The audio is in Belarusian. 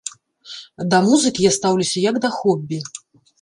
Да музыкі я стаўлюся як да хобі.